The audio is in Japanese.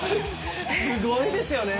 すごいですよね！